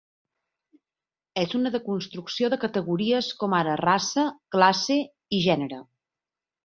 És una deconstrucció de categories com ara raça, classe i gènere.